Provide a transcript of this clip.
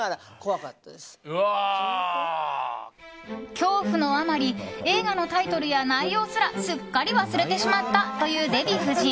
恐怖のあまり映画のタイトルや内容すらすっかり忘れてしまったというデヴィ夫人。